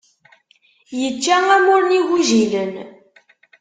Yečča amur n igujilen.